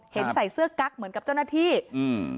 ใส่เสื้อกั๊กเหมือนกับเจ้าหน้าที่อืม